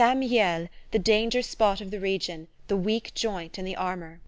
Mihiel, the danger spot of the region, the weak joint in the armour!